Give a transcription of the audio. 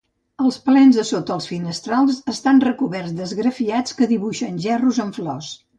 Els plens de sota els finestrals estan recoberts d'esgrafiats que dibuixen gerros amb flors.